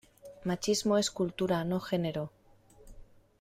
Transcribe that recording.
Machismo es cultura no género